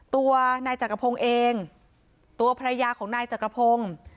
ตัวนายจักรพงศ์เองตัวภรรยาของนายจักรพงศ์